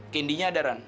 kendi nya ada ran